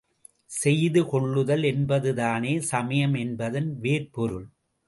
செய்து கொள்ளுதல் என்பதுதானே சமயம் என்பதன் வேர்ப்பொருள்.